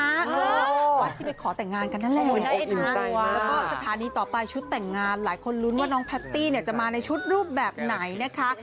วัดที่ไปขอแต่งงานกันนั่นแหละแล้วก็สถานีต่อไปชุดแต่งงานหลายคนลุ้นว่าน้องแพตตี้เนี่ยจะมาในชุดรูปแบบไหนนะคะ